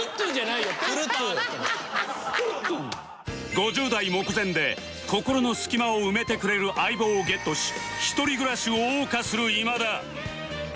５０代目前で心の隙間を埋めてくれる相棒をゲットし一人暮らしを謳歌する今田